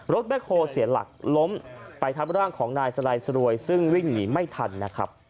แบคโฮเสียหลักล้มไปทับร่างของนายสลายสรวยซึ่งวิ่งหนีไม่ทันนะครับ